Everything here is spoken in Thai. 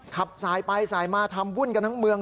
ขับสายไปสายมาทำบุญกันทั้งเมือง